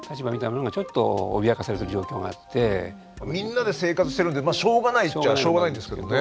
みんなで生活してるんでまあしょうがないっちゃしょうがないんですけどね。